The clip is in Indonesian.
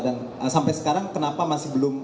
sampai sekarang kenapa masih belum